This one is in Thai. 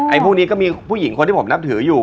พวกนี้ก็มีผู้หญิงคนที่ผมนับถืออยู่